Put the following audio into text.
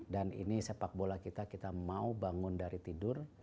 dan ini sepak bola kita mau bangun dari tidur